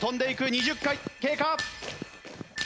２０回経過。